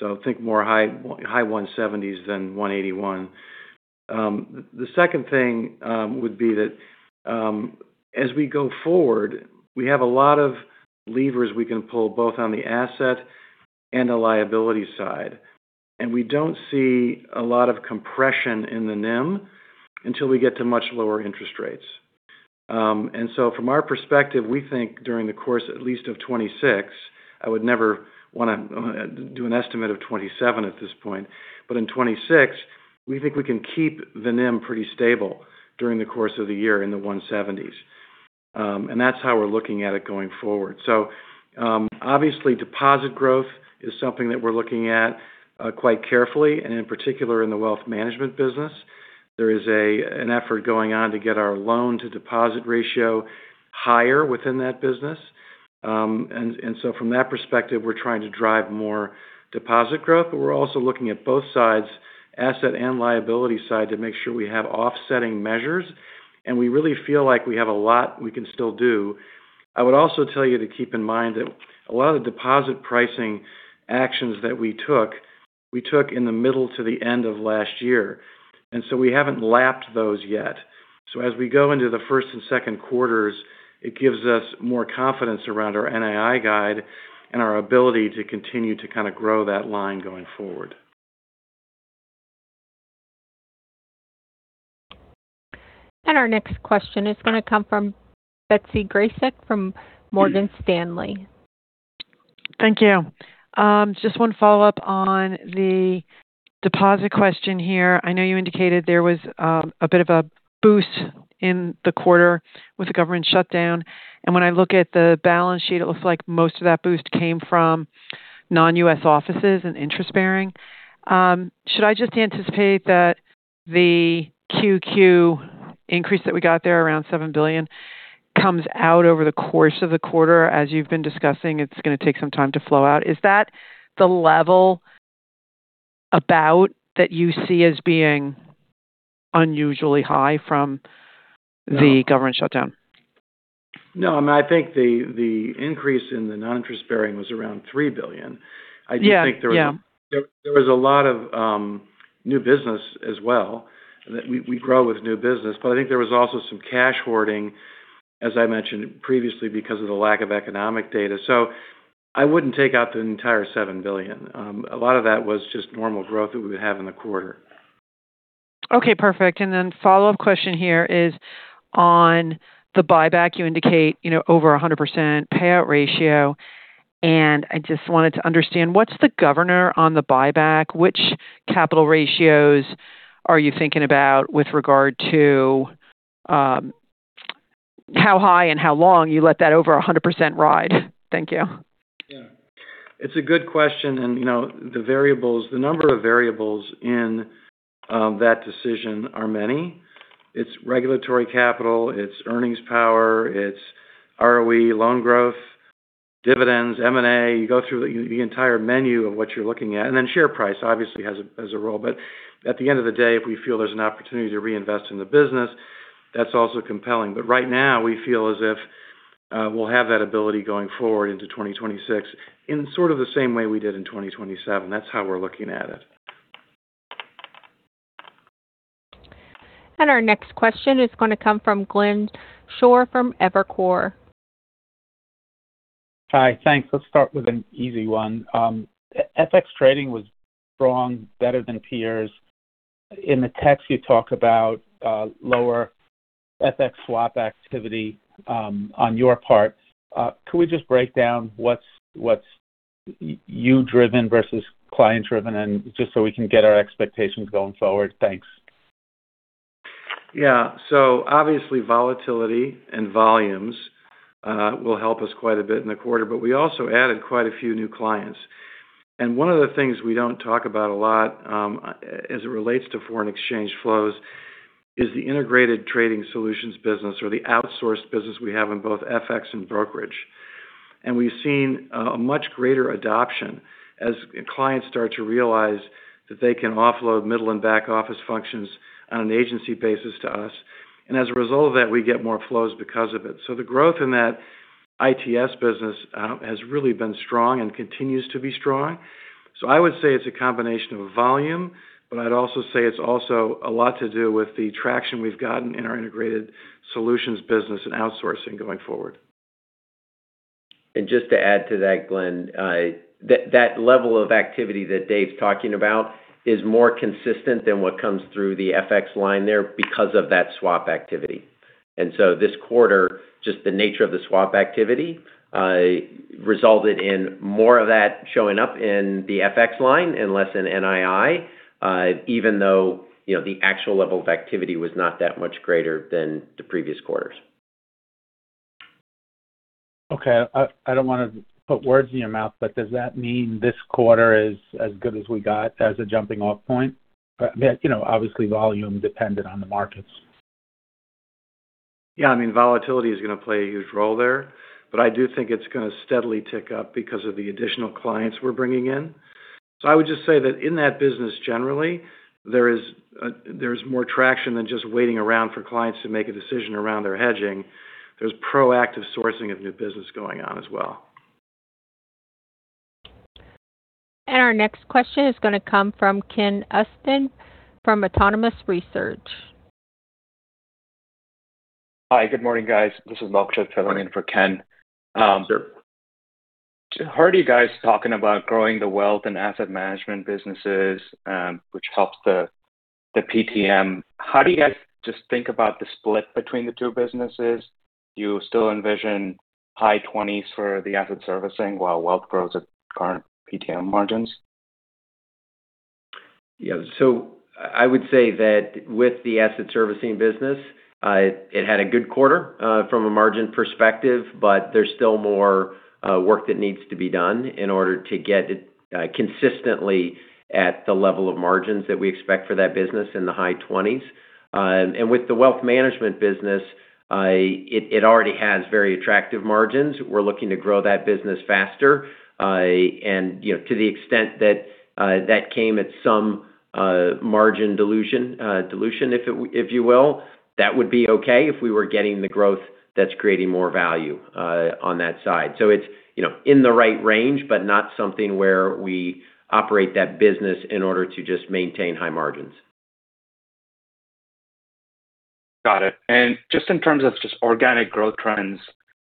So, think more high 170s than 181. The second thing would be that as we go forward, we have a lot of levers we can pull both on the asset and the liability side. And we don't see a lot of compression in the NIM until we get to much lower interest rates. From our perspective, we think during the course at least of 2026. I would never want to do an estimate of 2027 at this point, but in 2026, we think we can keep the NIM pretty stable during the course of the year in the 170s. That's how we're looking at it going forward. Obviously, deposit growth is something that we're looking at quite carefully, and in particular in the Wealth Management business. There is an effort going on to get our loan-to-deposit ratio higher within that business. From that perspective, we're trying to drive more deposit growth, but we're also looking at both sides, asset and liability side, to make sure we have offsetting measures. We really feel like we have a lot we can still do. I would also tell you to keep in mind that a lot of the deposit pricing actions that we took, we took in the middle to the end of last year, and so we haven't lapped those yet. So as we go into the first and second quarters, it gives us more confidence around our NII guide and our ability to continue to kind of grow that line going forward, And our next question is going to come from Betsy Graseck from Morgan Stanley. Thank you. Just one follow-up on the deposit question here. I know you indicated there was a bit of a boost in the quarter with the government shutdown, and when I look at the balance sheet, it looks like most of that boost came from non-U.S. offices and interest bearing. Should I just anticipate that the QQ increase that we got there around $7 billion comes out over the course of the quarter, as you've been discussing? It's going to take some time to flow out. Is that the level about that you see as being unusually high from the government shutdown? No, I mean, I think the increase in the non-interest-bearing was around $3 billion. I do think there was a lot of new business as well. We grow with new business, but I think there was also some cash hoarding, as I mentioned previously, because of the lack of economic data. So I wouldn't take out the entire $7 billion. A lot of that was just normal growth that we would have in the quarter. Okay. Perfect. And then follow-up question here is on the buyback. You indicate over 100% payout ratio. And I just wanted to understand what's the governor on the buyback? Which capital ratios are you thinking about with regard to how high and how long you let that over 100% ride? Thank you. Yeah. It's a good question. And the variables, the number of variables in that decision are many. It's regulatory capital. It's earnings power. It's ROE, loan growth, dividends, M&A. You go through the entire menu of what you're looking at. And then share price obviously has a role. But at the end of the day, if we feel there's an opportunity to reinvest in the business, that's also compelling. But right now, we feel as if we'll have that ability going forward into 2026 in sort of the same way we did in 2027. That's how we're looking at it. And our next question is going to come from Glenn Schorr from Evercore. Hi. Thanks. Let's start with an easy one. FX trading was strong, better than peers. In the text, you talk about lower FX swap activity on your part. Could we just break down what's you-driven versus client-driven and just so we can get our expectations going forward? Thanks. Yeah. So obviously, volatility and volumes will help us quite a bit in the quarter, but we also added quite a few new clients. And one of the things we don't talk about a lot as it relates to foreign exchange flows is the Integrated Trading Solutions business or the outsourced business we have in both FX and brokerage. And we've seen a much greater adoption as clients start to realize that they can offload middle and back office functions on an agency basis to us. And as a result of that, we get more flows because of it. So the growth in that ITS business has really been strong and continues to be strong. So I would say it's a combination of volume, but I'd also say it's also a lot to do with the traction we've gotten in our integrated solutions business and outsourcing going forward. And just to add to that, Glenn, that level of activity that Dave's talking about is more consistent than what comes through the FX line there because of that swap activity. And so this quarter, just the nature of the swap activity resulted in more of that showing up in the FX line and less in NII, even though the actual level of activity was not that much greater than the previous quarters. Okay. I don't want to put words in your mouth, but does that mean this quarter is as good as we got as a jumping-off point? Obviously, volume dependent on the markets. Yeah. I mean, volatility is going to play a huge role there, but I do think it's going to steadily tick up because of the additional clients we're bringing in. So I would just say that in that business generally, there is more traction than just waiting around for clients to make a decision around their hedging. There's proactive sourcing of new business going on as well. Our next question is going to come from Ken Usdin from Autonomous Research. Hi. Good morning, guys. This is Manjot filling in for Ken. Sure. Heard you guys talking about growing the wealth and Asset Management businesses, which helps the PTM. How do you guys just think about the split between the two businesses? Do you still envision high 20s for the Asset Servicing while wealth grows at current PTM margins? Yeah. So I would say that with the Asset Servicing business, it had a good quarter from a margin perspective, but there's still more work that needs to be done in order to get consistently at the level of margins that we expect for that business in the high 20s. And with the Wealth Management business, it already has very attractive margins. We're looking to grow that business faster. And to the extent that that came at some margin dilution, if you will, that would be okay if we were getting the growth that's creating more value on that side. So it's in the right range, but not something where we operate that business in order to just maintain high margins. Got it. And just in terms of just organic growth trends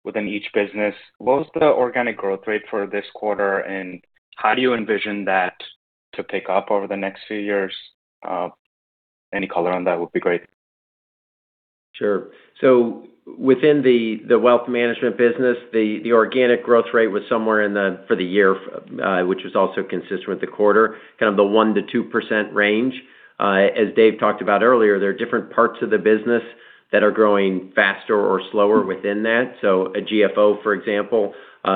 within each business, what was the organic growth rate for this quarter, and how do you envision that to pick up over the next few years? Any color on that would be great. Sure. So within the Wealth Management business, the organic growth rate was somewhere in the for the year, which was also consistent with the quarter, kind of the 1%-2% range. As Dave talked about earlier, there are different parts of the business that are growing faster or slower within that. So a GFO, for example,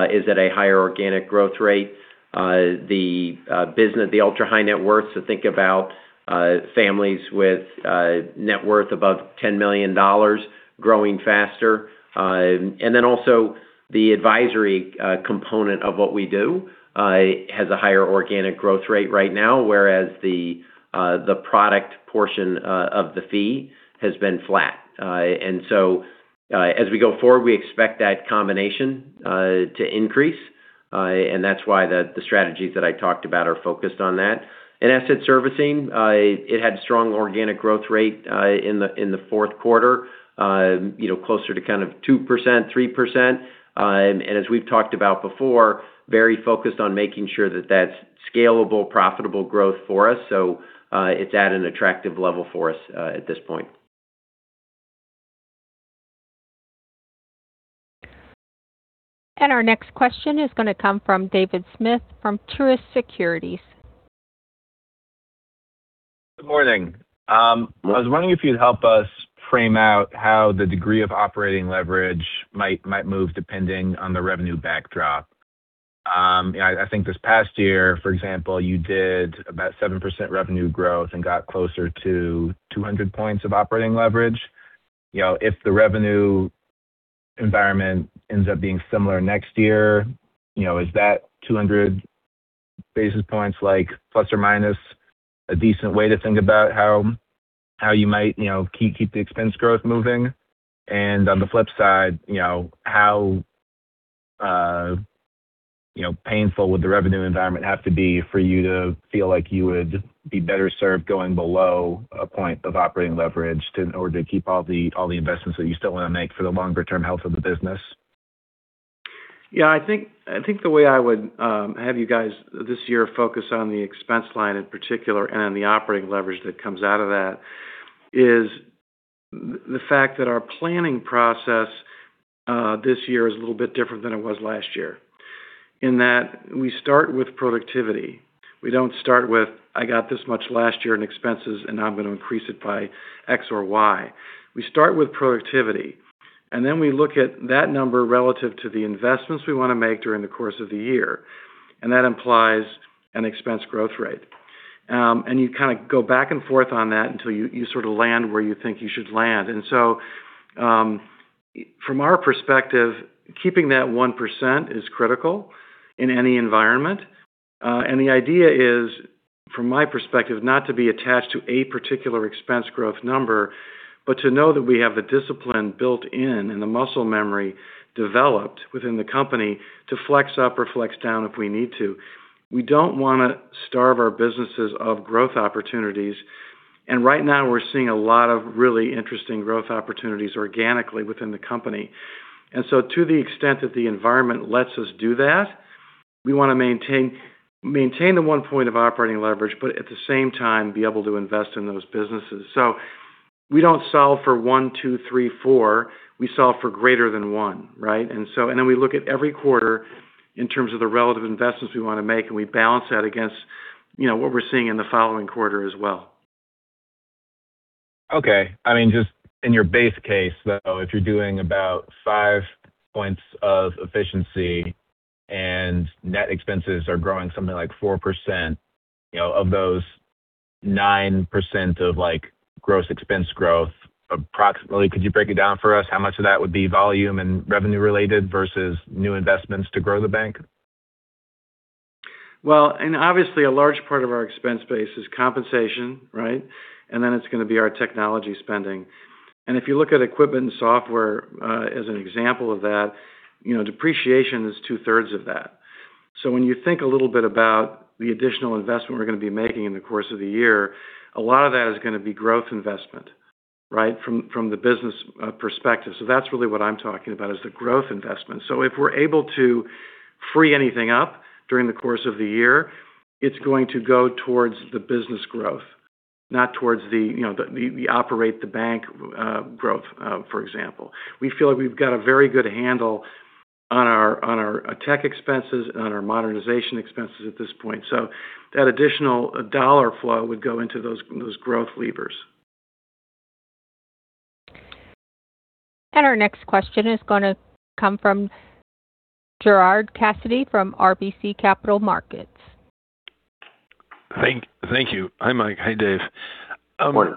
is at a higher organic growth rate. The ultra-high net worth, so think about families with net worth above $10 million, growing faster. And then also the advisory component of what we do has a higher organic growth rate right now, whereas the product portion of the fee has been flat. And so as we go forward, we expect that combination to increase. And that's why the strategies that I talked about are focused on that. In Asset Servicing, it had strong organic growth rate in the fourth quarter, closer to kind of 2%-3%. And as we've talked about before, very focused on making sure that that's scalable, profitable growth for us. So it's at an attractive level for us at this point. And our next question is going to come from David Smith from Truist Securities. Good morning. I was wondering if you'd help us frame out how the degree of operating leverage might move depending on the revenue backdrop. I think this past year, for example, you did about 7% revenue growth and got closer to 200 points of operating leverage. If the revenue environment ends up being similar next year, is that 200 basis points plus or minus a decent way to think about how you might keep the expense growth moving? And on the flip side, how painful would the revenue environment have to be for you to feel like you would be better served going below a point of operating leverage in order to keep all the investments that you still want to make for the longer-term health of the business? Yeah. I think the way I would have you guys this year focus on the expense line in particular and then the operating leverage that comes out of that is the fact that our planning process this year is a little bit different than it was last year in that we start with productivity. We don't start with, "I got this much last year in expenses, and I'm going to increase it by X or Y." We start with productivity, and then we look at that number relative to the investments we want to make during the course of the year. And that implies an expense growth rate. And you kind of go back and forth on that until you sort of land where you think you should land. And so from our perspective, keeping that 1% is critical in any environment. And the idea is, from my perspective, not to be attached to a particular expense growth number, but to know that we have the discipline built in and the muscle memory developed within the company to flex up or flex down if we need to. We don't want to starve our businesses of growth opportunities. And right now, we're seeing a lot of really interesting growth opportunities organically within the company. And so to the extent that the environment lets us do that, we want to maintain the one point of operating leverage, but at the same time, be able to invest in those businesses. So we don't solve for one, two, three, four. We solve for greater than one, right? And then we look at every quarter in terms of the relative investments we want to make, and we balance that against what we're seeing in the following quarter as well. Okay. I mean, just in your base case, though, if you're doing about five points of efficiency and net expenses are growing something like 4% of those 9% of gross expense growth, approximately, could you break it down for us? How much of that would be volume and revenue-related versus new investments to grow the bank? Well, and obviously, a large part of our expense base is compensation, right? And then it's going to be our technology spending. And if you look at equipment and software as an example of that, depreciation is two-thirds of that. So when you think a little bit about the additional investment we're going to be making in the course of the year, a lot of that is going to be growth investment, right, from the business perspective. So that's really what I'm talking about is the growth investment. So if we're able to free anything up during the course of the year, it's going to go towards the business growth, not towards operating the bank growth, for example. We feel like we've got a very good handle on our tech expenses and on our modernization expenses at this point. So that additional dollar flow would go into those growth levers. And our next question is going to come from Gerard Cassidy from RBC Capital Markets. Thank you. Hi, Mike. Hi, Dave. Good morning.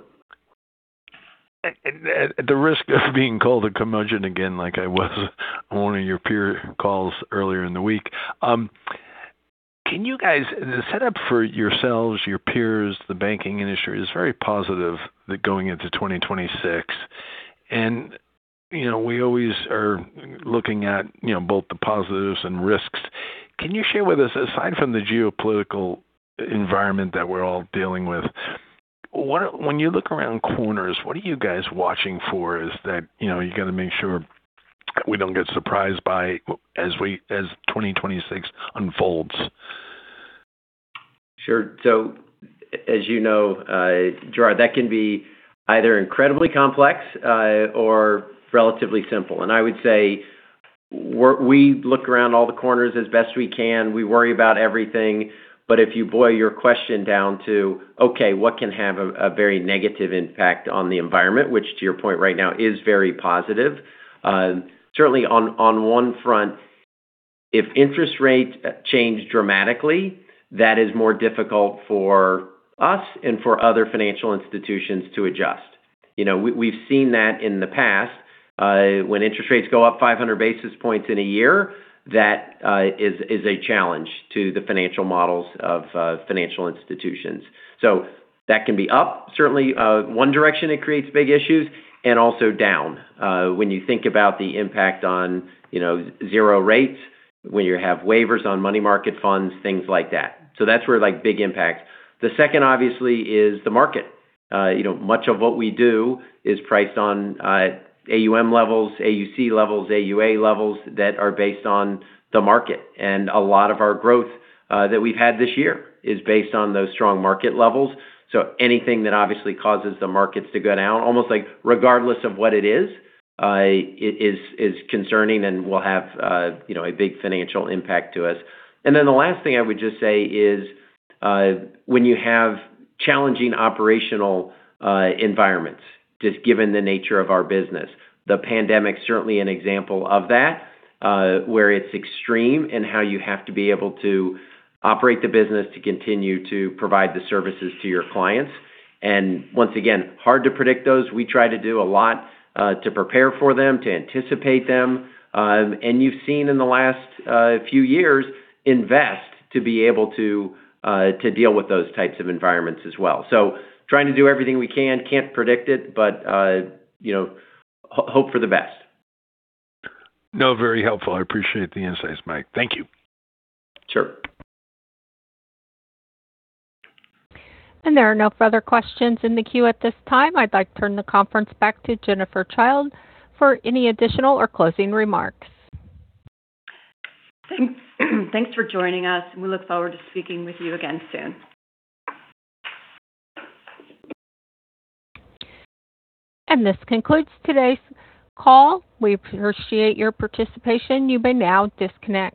At the risk of being called a contrarian again, like I was on one of your peer calls earlier in the week, can you guys set up for yourselves, your peers, the banking industry is very positive going into 2026, and we always are looking at both the positives and risks. Can you share with us, aside from the geopolitical environment that we're all dealing with, when you look around corners, what are you guys watching for is that you got to make sure we don't get surprised by as 2026 unfolds? Sure. So as you know, Gerard, that can be either incredibly complex or relatively simple, and I would say we look around all the corners as best we can. We worry about everything. But if you boil your question down to, "Okay, what can have a very negative impact on the environment?" which, to your point right now, is very positive. Certainly, on one front, if interest rates change dramatically, that is more difficult for us and for other financial institutions to adjust. We've seen that in the past. When interest rates go up 500 basis points in a year, that is a challenge to the financial models of financial institutions. So that can be up, certainly one direction it creates big issues, and also down when you think about the impact on zero rates, when you have waivers on money market funds, things like that. So that's where big impact. The second, obviously, is the market. Much of what we do is priced on AUM levels, AUC levels, AUA levels that are based on the market. And a lot of our growth that we've had this year is based on those strong market levels. So anything that obviously causes the markets to go down, almost regardless of what it is, is concerning and will have a big financial impact to us. And then the last thing I would just say is when you have challenging operational environments, just given the nature of our business. The pandemic is certainly an example of that, where it's extreme and how you have to be able to operate the business to continue to provide the services to your clients. And once again, hard to predict those. We try to do a lot to prepare for them, to anticipate them. And you've seen in the last few years, invest to be able to deal with those types of environments as well. So trying to do everything we can, can't predict it, but hope for the best. No, very helpful. I appreciate the insights, Mike. Thank you. Sure. And there are no further questions in the queue at this time. I'd like to turn the conference back to Jennifer Childe for any additional or closing remarks. Thanks for joining us. We look forward to speaking with you again soon. And this concludes today's call. We appreciate your participation. You may now disconnect.